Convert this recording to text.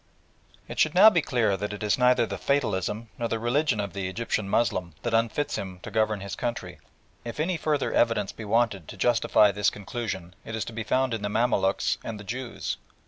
It should now be clear that it is neither the "fatalism" nor the religion of the Egyptian Moslem that unfits him to govern his country. If any further evidence be wanted to justify this conclusion it is to be found in the Mamaluks and the Jews.